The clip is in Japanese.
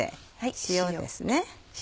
塩ですね。